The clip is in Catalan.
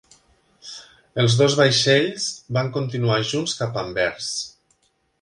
Els dos vaixells van continuar junts cap a Anvers.